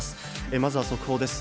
まずは速報です。